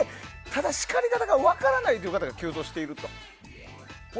ただ、叱り方が分からないという方が急増していると。